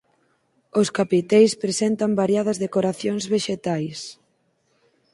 Os capiteis presentan variadas decoracións vexetais.